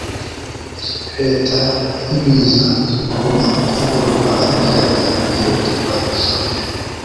Leta y’ibiza ntigomba kuvugururwa ariko Leta yihutirwa izongerwa